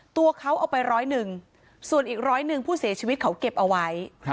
ตัวเขาเอาไป๑๐๑บาทส่วนอีก๑๐๑บาทผู้เสียชีวิตเขาเก็บเอาไว้